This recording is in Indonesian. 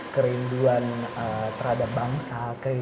kerinduan terhadap bangsa